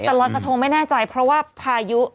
จะรอยกระทงไม่แน่ใจเพราะว่า